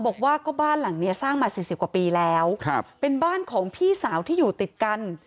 บอกว่าก็บ้านหลังเนี้ยสร้างมาสี่สิบกว่าปีแล้วครับเป็นบ้านของพี่สาวที่อยู่ติดกัน